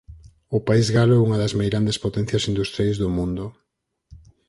O país galo é unha das meirandes potencias industriais do mundo.